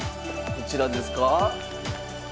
こちらですか？